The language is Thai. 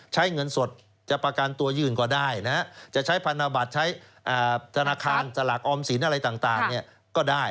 ใช้เงินสดจะประกันตัวยื่นก็ได้จะใช้พันธบัตรใช้ธนาคารสลากออมสินอะไรต่างก็ได้